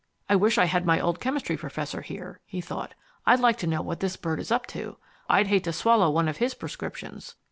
"I wish I had my old chemistry professor here," he thought. "I'd like to know what this bird is up to. I'd hate to swallow one of his prescriptions."